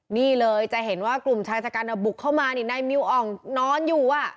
นี่เลยจะเห็นว่ากลุ่มชายสการบุกเข้ามาเนี่ยในมิวออกนอนอยู่อะ